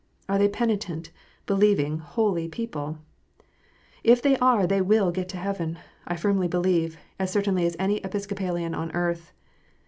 Are they penitent, believing, holy people 1 If they are, they will get to heaven, I firmly believe, as certainly as any Episcopalian on earth.